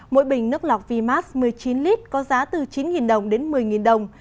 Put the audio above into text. mỗi bình nước lọc vmax một mươi chín l có giá từ chín đồng đến một mươi đồng